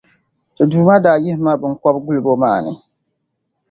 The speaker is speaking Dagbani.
Ti Duuma daa yihi ma biŋkɔbigulibo maa ni.